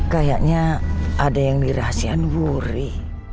kayaknya ada yang dirahasian wuri